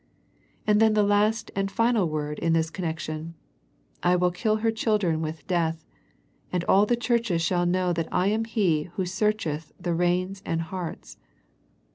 And then the last and final word in this con nection " I will kill her children with death ; and all the churches shall know that I am He which searcheth the reins and hearts."